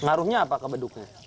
ngaruhnya apa ke bedungnya